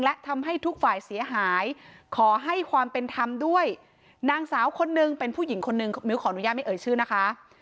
เพราะคนนึงเป็นผู้หญิงคนหนึ่งมิวขออนุญาตไม่เอ่ยชื่อนะคะ